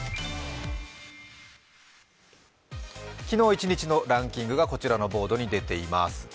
昨日一日のランキングがこちらのボードに出ています。